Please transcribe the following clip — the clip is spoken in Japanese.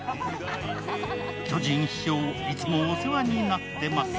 巨人師匠、いつもお世話になってます。